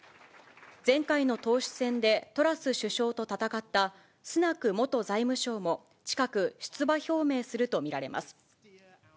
前回の党首選でトラス首相と戦ったスナク元財務相も近く、出馬表明すると見られます。